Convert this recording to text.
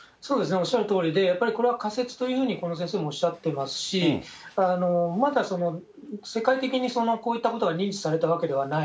おっしゃるとおりで、やっぱりこれは仮説というふうにこの先生もおっしゃってますし、まだ世界的にこういったことが認知されたわけではない。